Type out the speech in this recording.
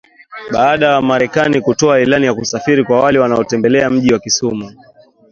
baada ya Marekani kutoa ilani ya kusafiri kwa wale wanaotembelea mji wa Kisumu